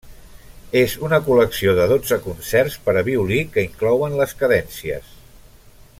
És una col·lecció de dotze concerts per a violí que inclouen les cadències.